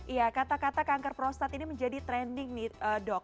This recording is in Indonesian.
iya kata kata kanker prostat ini menjadi trending nih dok